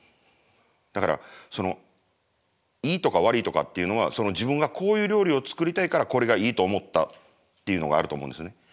だからいいとか悪いとかっていうのは自分がこういう料理を作りたいからこれがいいと思ったっていうのがあると思うんですね。